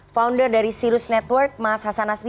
founder dari sirus network mas hasan nasmi